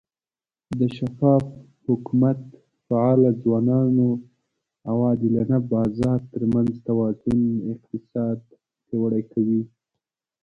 د شفاف حکومت، فعاله ځوانانو، او عادلانه بازار ترمنځ توازن اقتصاد پیاوړی کوي.